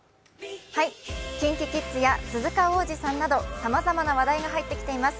ＫｉｎＫｉＫｉｄｓや鈴鹿央士さんなどさまざまな話題が入っています。